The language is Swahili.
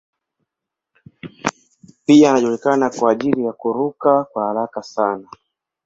Pia anajulikana kwa ajili ya kuruka kwa haraka sana.